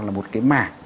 là một cái mả